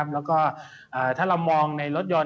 แล้วก็ถ้าเรามองในรถยนต์